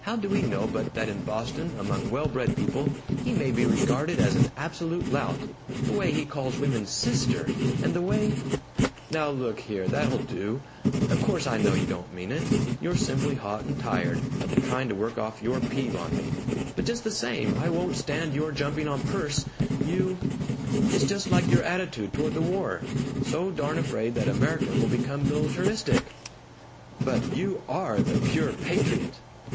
How do we know but that in Boston, among well bred people, he may be regarded as an absolute lout? The way he calls women 'Sister,' and the way " "Now look here! That'll do! Of course I know you don't mean it you're simply hot and tired, and trying to work off your peeve on me. But just the same, I won't stand your jumping on Perce. You It's just like your attitude toward the war so darn afraid that America will become militaristic " "But you are the pure patriot!"